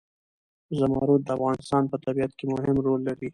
زمرد د افغانستان په طبیعت کې مهم رول لري.